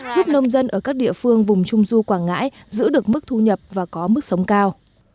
giúp nông dân ở các địa phương vùng trung du quảng ngãi giữ được mức thu nhập và có mức sống cao